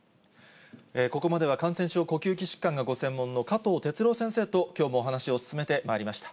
ここまでは感染症、呼吸器疾患がご専門の、加藤哲朗先生と、きょうもお話を進めてまいりました。